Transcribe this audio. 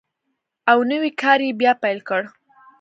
او نوی کار یې بیا پیل کړ.